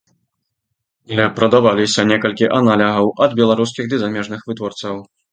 Але прадаваліся некалькі аналагаў ад беларускіх ды замежных вытворцаў.